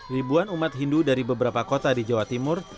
ribuan umat hindu dari beberapa kota di jawa timur